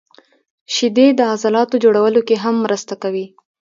• شیدې د عضلاتو جوړولو کې هم مرسته کوي.